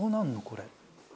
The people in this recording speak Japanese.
これ。